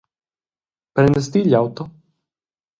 Prendas ti igl auto?